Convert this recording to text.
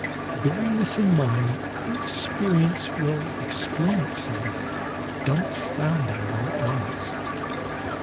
Bearing this in mind, her experience will explain itself, dumfounding though it was.